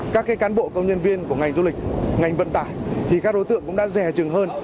các cán bộ công nhân viên của ngành du lịch ngành vận tải thì các đối tượng cũng đã rè trừng hơn